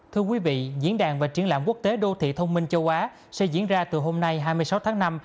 thưa quý vị diễn đàn và triển lãm quốc tế đô thị thông minh châu á sẽ diễn ra từ hôm nay hai mươi sáu tháng năm